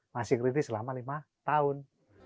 masih kritis selama lima tahun